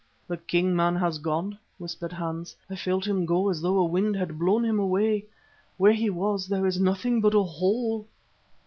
"The king man has gone," whispered Hans. "I felt him go as though a wind had blown him away. Where he was there is nothing but a hole."